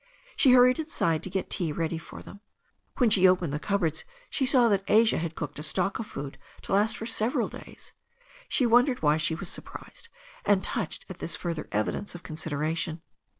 She hurried inside to get tea ready for them. When she opened the cupboards she saw that Asia had cooked a stock of food to last for several days. She wondered why she was surprised and touched at this fur ther evidence of consideration.